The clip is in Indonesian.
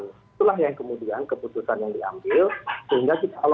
itulah yang kemudian keputusan yang diambil